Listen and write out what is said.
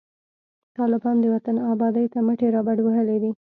طالبان د وطن آبادۍ ته مټي رابډوهلي دي